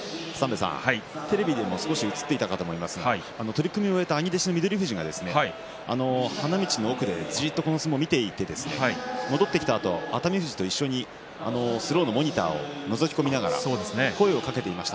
取組を終えた兄弟子の翠富士が花道の奥でじっとこの相撲を見ていて戻ってきた熱海富士と一緒にスローのモニターをのぞき込みながら声をかけていました。